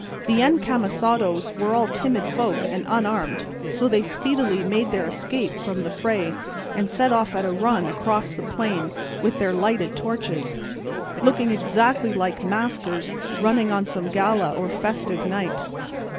The encamisados were all timid folk and unarmed, so they speedily made their escape from the fray and set off at a run across the plain with their lighted torches, looking exactly like maskers running on some gala or festival night.